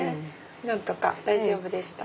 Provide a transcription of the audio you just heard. なんとか大丈夫でした。